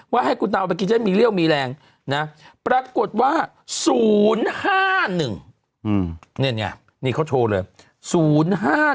ว่าให้คุณตาเอาไปกินจะมีเลี่ยวมีแรงนะปรับกฎว่า๐๕๑เนี่ยนี่เขาโชว์เลย๐๕๑